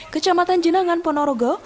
kecamatan jenangan ponorogo